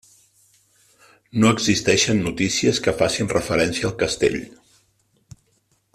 No existeixen notícies que facin referència al castell.